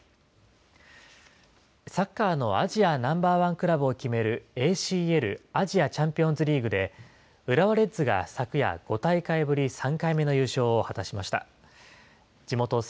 サッカーのアジアナンバーワンクラブを決める、ＡＣＬ・アジアチャンピオンズリーグで浦和レッズが昨夜、５大会ぶり３回目の優勝を果たしました。